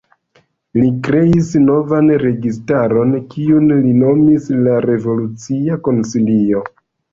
Li kreis novan registaron, kiun li nomis la "Revolucia Konsilio".